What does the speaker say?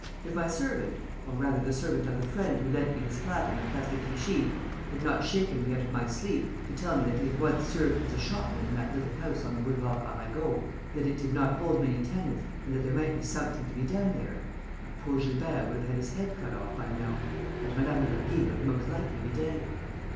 If my servant, or rather the servant of the friend who lent me his flat in the Place de Clichy, had not shaken me out of my sleep, to tell me that he had once served as a shopman in that little house on the Boulevard Arago, that it did not hold many tenants and that there might be something to be done there, our poor Gilbert would have had his head cut off by now ... and Mme. Mergy would most likely be dead."